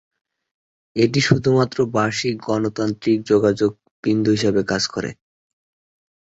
এটি শুধুমাত্র একটি বার্ষিক গণতান্ত্রিক যোগাযোগের বিন্দু হিসাবে কাজ করে।